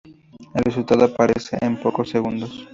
El resultado aparece en pocos segundos.